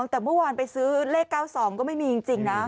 แต่เมื่อวานไปซื้อเลข๙๒ก็ไม่มีจริงนะ